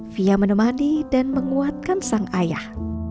fia menemani dan menguatkan sang ayah